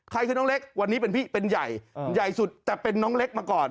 คือน้องเล็กวันนี้เป็นพี่เป็นใหญ่ใหญ่สุดแต่เป็นน้องเล็กมาก่อน